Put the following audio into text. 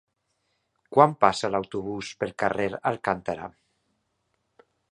Quan passa l'autobús pel carrer Alcántara?